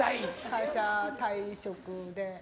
会社退職で。